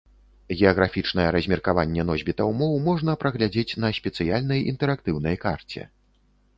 Геаграфічнае размеркаванне носьбітаў моў можна праглядзець на спецыяльнай інтэрактыўнай карце.